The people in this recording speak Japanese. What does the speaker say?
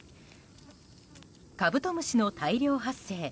カブトムシの大量発生。